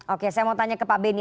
oke saya mau tanya ke pak benny